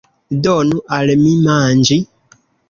Donu al mi manĝi!